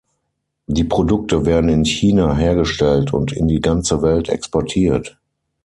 Die Produkte werden in China hergestellt und in die ganze Welt exportiert.